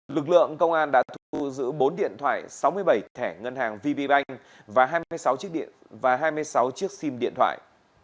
lực lượng công an đã thu giữ bốn điện thoại sáu mươi bảy thẻ ngân hàng vp bank và hai mươi sáu chiếc sim điện thoại